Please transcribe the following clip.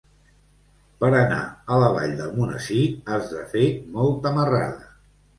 Per anar a la Vall d'Almonesir has de fer molta marrada.